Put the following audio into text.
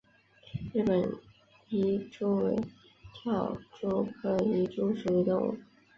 日本蚁蛛为跳蛛科蚁蛛属的动物。